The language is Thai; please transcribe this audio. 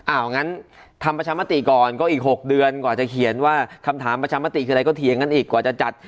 งั้นทำประชามติก่อนก็อีก๖เดือนกว่าจะเขียนว่าคำถามประชามติคืออะไรก็เถียงกันอีกกว่าจะจัด